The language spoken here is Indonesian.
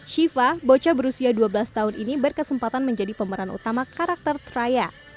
shiva bocah berusia dua belas tahun ini berkesempatan menjadi pemeran utama karakter traya